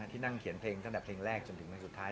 ที่นั่งเขียนเพลงตั้งแต่เพลงแรกจนถึงเพลงสุดท้าย